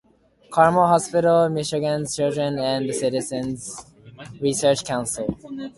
Carmel Hospital, Michigan's Children and the Citizen's Research Council.